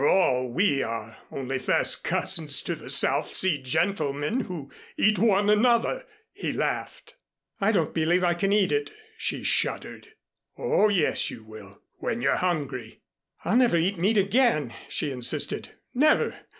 After all we are only first cousins to the South Sea gentlemen who eat one another," he laughed. "I don't believe I can eat it," she shuddered. "Oh, yes, you will when you're hungry." "I'll never eat meat again," she insisted. "Never!